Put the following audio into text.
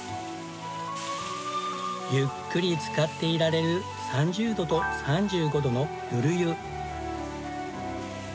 ゆっくりつかっていられる３０度と３５度のぬる湯。